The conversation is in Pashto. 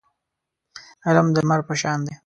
علم د لمر په شان دی.